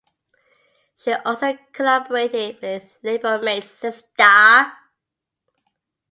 She also collaborated with labelmates Sistar.